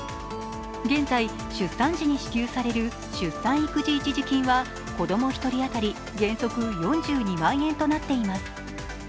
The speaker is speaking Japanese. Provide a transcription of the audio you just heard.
現在、出産時に支給される出産育児一時金は子供１人当たり原則４２万円となっています。